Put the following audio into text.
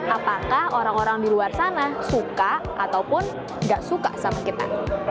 apakah orang orang di luar sana suka ataupun gak suka sama kita